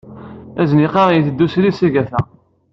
Azniq-a itteddu srid s agafa.